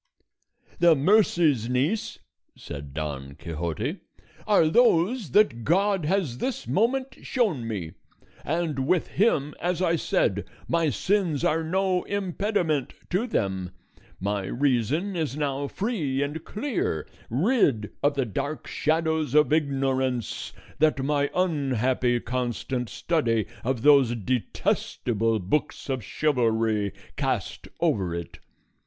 "The mercies, niece," said Don Quixote, "are those that God has this moment shown me, and with him, as I said, my sins are no impediment to them. My reason is now free and clear, rid of the dark shadows of ignorance that my unhappy constant study of those detestable books of chivalry cast over it.